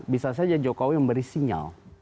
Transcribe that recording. bisa saja jokowi memberi sinyal